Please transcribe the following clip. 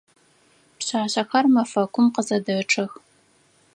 Пшъашъэхэр мэфэкум къызэдэчъэх.